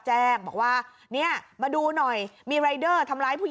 หุ้ยออกมาอ่ะ